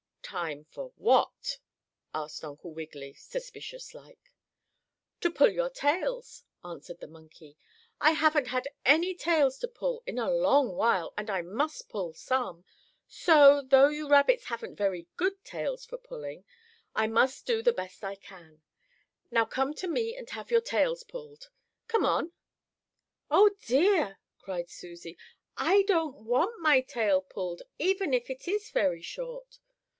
"Time for what?" asked Uncle Wiggily, suspicious like. "To pull your tails," answered the monkey. "I haven't had any tails to pull in a long while, and I must pull some. So, though you rabbits haven't very good tails, for pulling, I must do the best I can. Now come to me and have your tails pulled. Come on!" "Oh, dear!" cried Susie. "I don't want my tail pulled, even if it is very short."